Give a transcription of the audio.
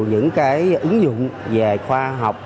những cái ứng dụng về khoa học